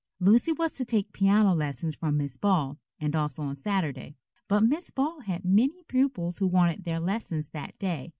Lucy was to take piano lessons from Miss Ball, and also on Saturday. But Miss Ball had many pupils who wanted their lessons that day.